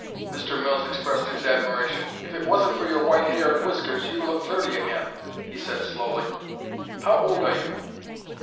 Mr. Mills expressed his admiration. "If it wasn't for your white hair and whiskers you'd look thirty again," he said, slowly. "How old are you?"